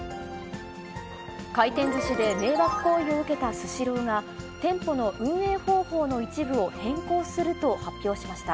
回転ずしで迷惑行為を受けたスシローが、店舗の運営方法の一部を変更すると発表しました。